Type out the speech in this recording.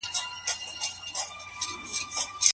څنګه د یوې موخي لپاره جنګیدل د انسان ارزښت لوړوي؟